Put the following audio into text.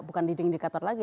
bukan leading indikator lagi